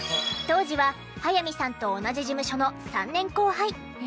当時は早見さんと同じ事務所の３年後輩。